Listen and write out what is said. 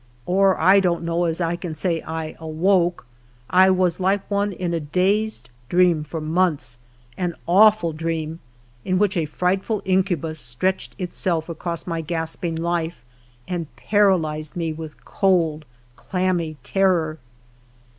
or, I don't know as I can say I awoke— I was like one in a dazed dream for months, an awful dream, in which a frightful incubus stretched itself across my gasping life, and paralyzed me with cold, clammy terror.